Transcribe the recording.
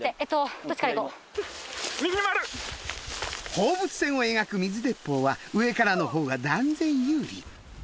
放物線を描く水鉄砲は上からのほうが断然有利。